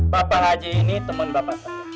bapak haji ini teman bapak saya